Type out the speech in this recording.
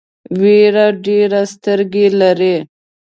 وېره ډېرې سترګې لري.